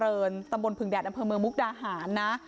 ตำบลผึงแดดอำเภอเมืองมุกดาหารนะ